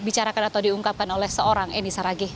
dibicarakan atau diungkapkan oleh seorang eni saragi